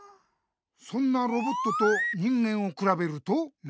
そんなロボットと人間をくらべると何がちがう？